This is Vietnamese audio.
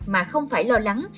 mà không phải lo lắng